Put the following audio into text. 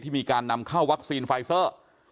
มีการนำเข้าวัคซีนไฟเซอร์